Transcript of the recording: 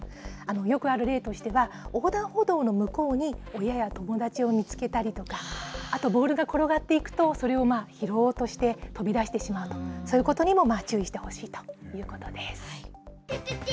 よくある例としては、横断歩道の向こうに親や子どもたちを見つけたりとか、あとボールが転がっていくと、それを拾おうとして飛び出してしまう、そういうことにも注意してほしいということです。